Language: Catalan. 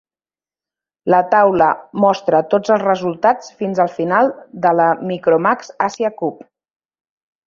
La taula mostra tots els resultats fins al final de la Micromax Asia Cup.